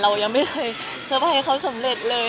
เรายังไม่เคยเซอร์ไพรส์เขาสำเร็จเลย